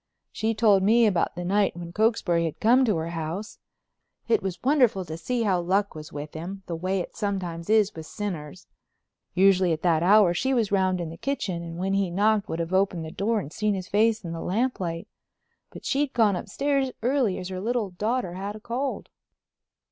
She told me about the night when Cokesbury had come to her house. It was wonderful to see how luck was with him—the way it sometimes is with sinners. Usually at that hour she was round in the kitchen and when he knocked would have opened the door and seen his face in the lamplight. But she'd gone upstairs early as her little daughter had a cold.